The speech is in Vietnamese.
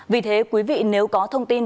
vì thế quý vị nếu có thông tin